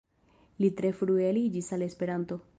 Li tre frue aliĝis al Esperanto.